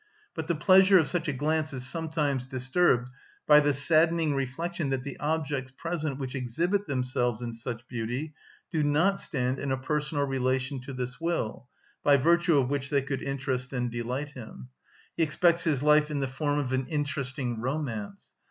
But the pleasure of such a glance is sometimes disturbed by the saddening reflection that the objects present which exhibit themselves in such beauty do not stand in a personal relation to this will, by virtue of which they could interest and delight him; he expects his life in the form of an interesting romance.